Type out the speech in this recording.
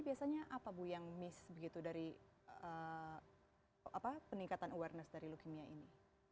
biasanya apa bu yang miss begitu dari peningkatan awareness dari leukemia ini